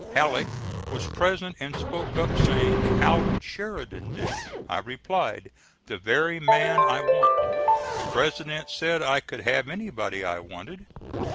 Halleck was present and spoke up, saying: "How would Sheridan do?" I replied: "The very man I want." The President said I could have anybody I wanted.